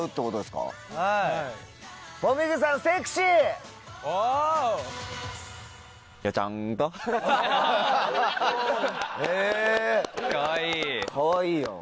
かわいいやん。